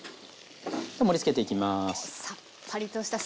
盛りつけていきます。